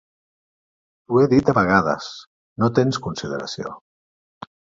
T'ho he dit de vegades, no tens consideració.